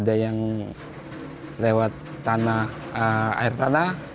ada yang lewat tanah air tanah